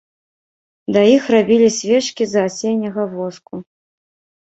Да іх рабілі свечкі з асенняга воску.